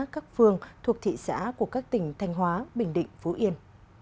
các phương thuộc thị xã của các tỉnh thanh hóa bình định phú yên